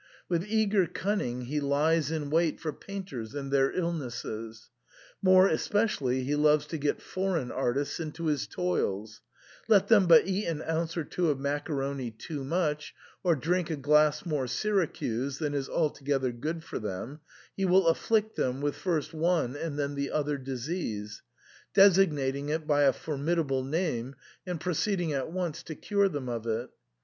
With eager cunning he lies in wait for painters and their illnesses. More especially he loves to get foreign artists into his toils ; let them but eat an ounce or two of macaroni too much, or drink a glass more Syracuse than is altogether good for them, he will afflict them with first one and then the other disease, designating it by a formidable name, and pro ceeding at once to cure them of it.